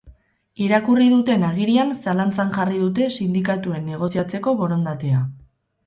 Irakurri duten agirian zalantzan jarri dute sindikatuen negoziatzeko borondatea.